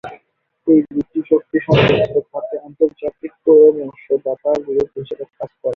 এই গ্রুপটি শক্তি সম্পর্কিত খাতে আন্তর্জাতিক পরামর্শদাতা গ্রুপ হিসেবে কাজ করে।